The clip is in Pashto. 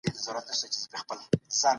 انتقادي اشعار یې قوي دي